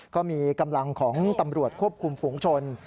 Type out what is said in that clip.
ก็มีกำลังของตำรวจควบคุมฝุงชน